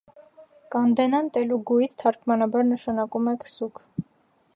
Կանդենան տելուգուից թարգմանաբար նշանակում է քսուք։